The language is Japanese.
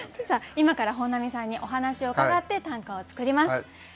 さあ今から本並さんにお話を伺って短歌を作ります。